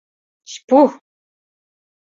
— Чпу!..